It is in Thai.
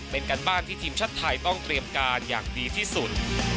เป็นการบ้านที่ทีมชาติไทยต้องเตรียมการอย่างดีที่สุด